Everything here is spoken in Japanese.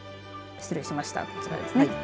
失礼しました、こちらですね。